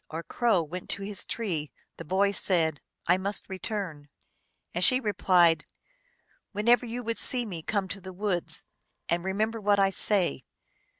299 Kah kah goos, or Crow, went to his tree, the boy said, " I must return ;" and she replied, u Whenever you would see me, come to the woods. And remember what I say.